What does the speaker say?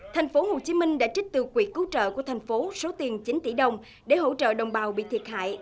tp hcm đã trích từ quỹ cứu trợ của thành phố số tiền chín tỷ đồng để hỗ trợ đồng bào bị thiệt hại